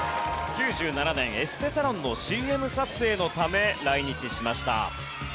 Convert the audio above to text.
９７年エステサロンのＣＭ撮影のため来日しました。